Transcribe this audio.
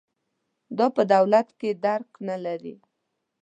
دا په دولت کې درک نه لري.